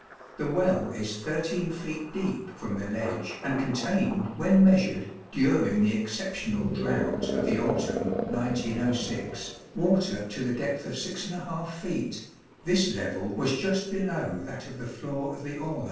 The well is 13 feet deep from the ledge and contained, when measured, during the exceptional drought of the autumn 1906, water to the depth of 6 feet; this level was just below that of the floor of the aula.